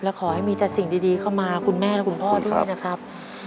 และขอให้มีแต่สิ่งดีเข้ามาคุณแม่และคุณพ่อด้วยนะครับ